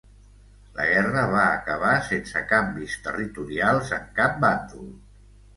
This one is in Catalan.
La guerra va acabar sense canvis territorials en cap bàndol.